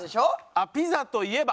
あっピザといえば！